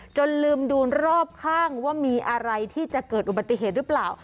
จนลืมดูรอบข้างว่ามีอะไรที่จะเกิดอุบัติเหตุหรือเปล่า